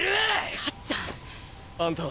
かっちゃん。あんたは？